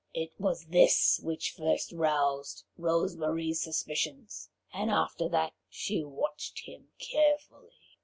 It was this which first roused Rose Marie's suspicions, and after that she watched him carefully.